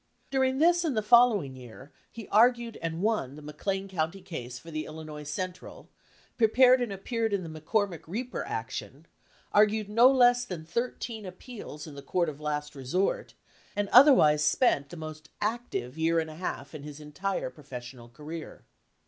Dur ing this and the following year he argued and won the McLean County case for the Illinois Central, prepared and appeared in the McCor mick reaper action, argued no less than thirteen appeals in the court of last resort, and otherwise spent the most active year and a half in his entire professional career.